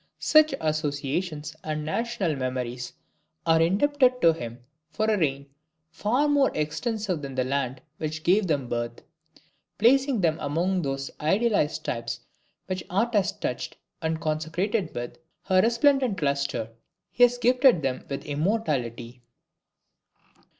Such associations and national memories are indebted to him for a reign far more extensive than the land which gave them birth. Placing them among those idealized types which art has touched and consecrated with her resplendent lustre, he has gifted them with immortality.